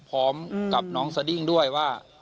พร้อมกับน้องสดิ้งด้วยว่า